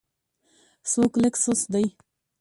څوک لږ سست دی.